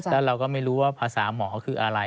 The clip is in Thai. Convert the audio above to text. แล้วเราก็ไม่รู้ว่าภาษาหมอคืออะไร